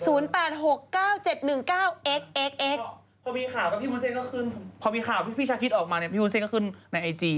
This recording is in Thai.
พอมีข่าวกับพี่วุ้นเส้นก็ขึ้นพอมีข่าวที่พี่ชาคิดออกมาเนี่ยพี่วุ้นเส้นก็ขึ้นในไอจี